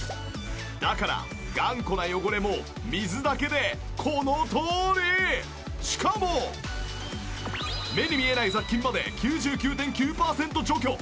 だから頑固な汚れも水だけでこのとおり！しかも目に見えない雑菌まで９９．９パーセント除去。